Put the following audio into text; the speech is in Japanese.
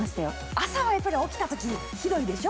朝は起きたときひどいでしょ。